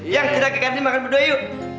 yang kita ke kantin makan berdua yuk